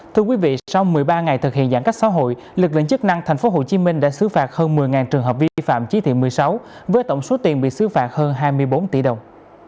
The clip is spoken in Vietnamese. thưa quý vị sau một mươi ba ngày thực hiện giãn cách xã hội lực lượng chức năng tp hcm đã xứ phạt hơn một mươi trường hợp vi phạm chí thị một mươi sáu với tổng số tiền bị xứ phạt hơn hai mươi bốn tỷ đồng